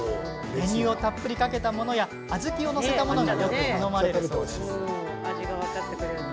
練乳をたっぷりかけたものや小豆を載せたものがよく頼まれるそうです。